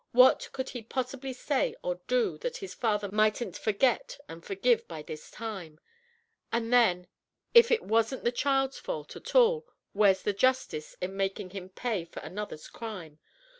What could he possibly say or do that his father might n't forget and forgive by this time? And then if it was n't the child's fault at all, where's the justice in makin' him pay for another's crime?